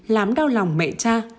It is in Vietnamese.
làm đau lòng mẹ cha